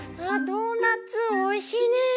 ドーナツおいしいねえ。